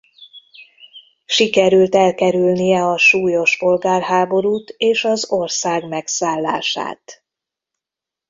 Sikerült elkerülnie a súlyos polgárháborút és az ország megszállását.